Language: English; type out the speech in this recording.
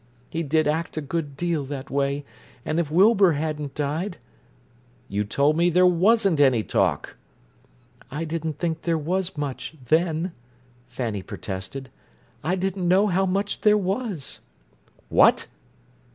He did act a good deal that way—and if Wilbur hadn't died—" "You told me there wasn't any talk." "I didn't think there was much, then," Fanny protested. "I didn't know how much there was." "What!"